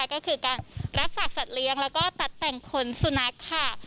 ก็คือการรับฝากสัตว์เลี้ยงแล้วก็ตัดแต่งขนสุนัขค่ะ